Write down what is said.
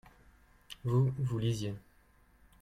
vous, vous lisiez.